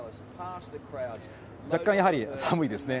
若干、やはり寒いですね。